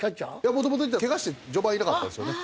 もともといたけがして序盤いなかったんですよね。